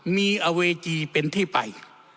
มีอเวจีเป็นที่ไป